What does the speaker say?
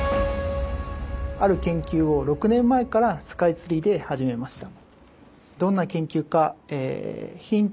ある研究を６年前からスカイツリーで始めました。